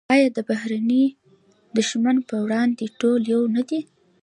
آیا د بهرني دښمن پر وړاندې ټول یو نه دي؟